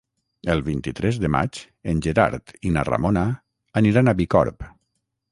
El vint-i-tres de maig en Gerard i na Ramona aniran a Bicorb.